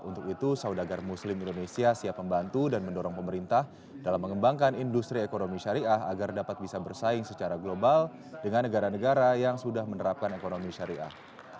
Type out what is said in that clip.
untuk itu saudagar muslim indonesia siap membantu dan mendorong pemerintah dalam mengembangkan industri ekonomi syariah agar dapat bisa bersaing secara global dengan negara negara yang sudah menerapkan ekonomi syariah